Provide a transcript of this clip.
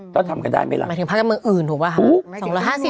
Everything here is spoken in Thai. ก็ทำกันได้เมื่อไร